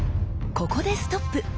ここでストップ！